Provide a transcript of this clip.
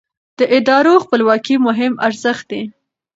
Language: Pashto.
د ادارو خپلواکي مهم ارزښت دی